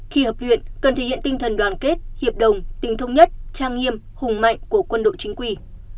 khi hợp luyện cần thể hiện tinh thần đoàn kết hiệp đồng tình thông nhất trang nghiêm hùng mạnh của quân đội chính quy